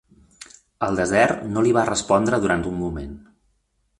El desert no li va respondre durant un moment.